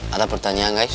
ada pertanyaan guys